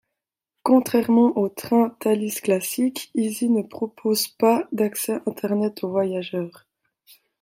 Contrairement aux trains Thalys classiques, Izy ne propose pas d'accès Internet aux voyageurs.